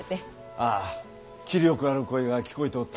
あぁ気力ある声が聞こえておった。